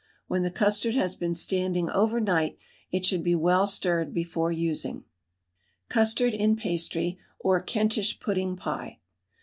When the custard has been standing over night, it should be well stirred before using. CUSTARD IN PASTRY OR KENTISH PUDDING PIE.